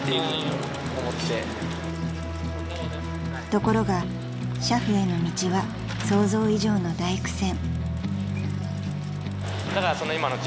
［ところが俥夫への道は想像以上の大苦戦］